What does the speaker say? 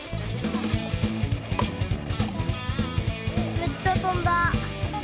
めっちゃとんだ！